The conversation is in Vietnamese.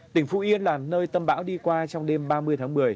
tỉnh phú yên là nơi tâm bão đi qua trong đêm ba mươi tháng một mươi